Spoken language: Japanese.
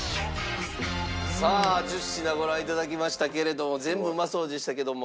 さあ１０品ご覧いただきましたけれども全部うまそうでしたけども。